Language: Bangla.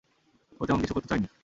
ও তেমন কিছু করতে চায়নি।